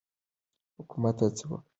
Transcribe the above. حکومت هڅې کوي.